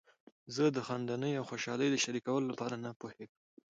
زه د خندنۍ او خوشحالۍ د شریکولو لپاره نه پوهیږم.